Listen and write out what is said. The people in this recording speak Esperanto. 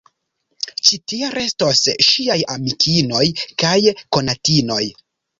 Ĉi tie restos ŝiaj amikinoj kaj konatinoj.